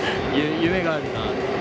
夢があるなって。